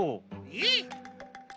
えっ！？